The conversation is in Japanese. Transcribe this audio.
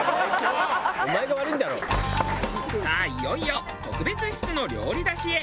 さあいよいよ特別室の料理出しへ。